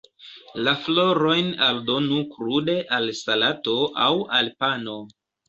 La florojn aldonu krude al salato aŭ al pano.